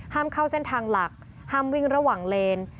เข้าเส้นทางหลักห้ามวิ่งระหว่างเลน